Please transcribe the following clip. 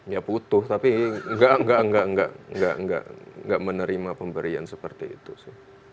ya utuh tapi nggak menerima pemberian seperti itu sih